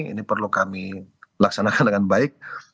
ini perlu kami laksanakan dengan baik